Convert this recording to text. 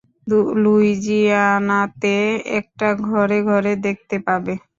লুইজিয়ানাতে এটা ঘরে ঘরে দেখতে পাবে।